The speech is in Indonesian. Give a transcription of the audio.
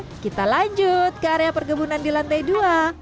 oke kita lanjut ke area perkebunan di lantai dua